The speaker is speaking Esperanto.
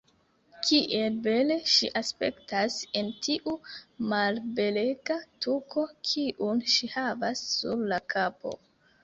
Kiel bele ŝi aspektas en tiu malbelega tuko, kiun ŝi havas sur la kapo.